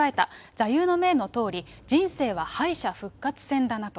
座右の銘のとおり、人生は敗者復活戦だなと。